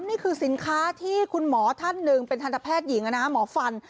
นี่คือสินค้าที่คุณหมอท่านหนึ่งเป็นทันตแพทย์หญิงหมอฟัน